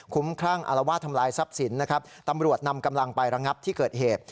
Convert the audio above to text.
คุ้มครั่งอารวาสทำลายทรัพย์สินนะครับตำรวจนำกำลังไประงับที่เกิดเหตุ